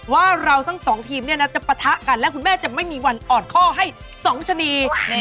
ว่าเราทั้งสองทีมเนี่ยนะจะปะทะกันและคุณแม่จะไม่มีวันอ่อนข้อให้๒ชะนี